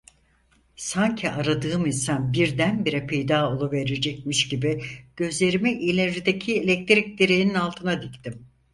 Sanki aradığım insan birdenbire peyda oluverecekmiş gibi gözlerimi ilerideki elektrik direğinin altına diktim.